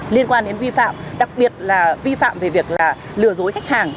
liên quan đến vi phạm đặc biệt là vi phạm về việc là lừa dối khách hàng